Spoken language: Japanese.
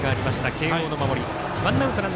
慶応の守り。